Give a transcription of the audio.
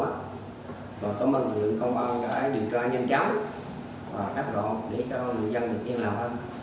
và cảm ơn lực lượng công an đã điều tra nhân cháu và đáp gọi để cho người dân được yên lòng